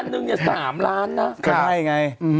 อันหนึ่งเนี่ย๓ล้านนะ